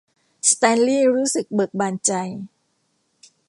สแตนลีย์รู้สึกเบิกบานใจ